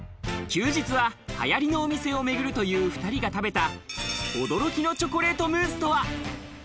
休日は流行りのお店を巡るという２人が食べた驚きのチョコレートムースとは？